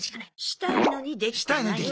したいのにできてない。